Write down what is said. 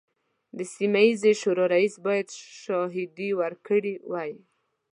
د سیمه ییزې شورا رئیس باید شاهدې ورکړي وای.